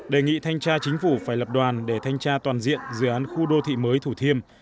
đề nghị thanh tra chính phủ phải lập đoàn để thanh tra toàn diện dự án khu đô thị mới thủ thiêm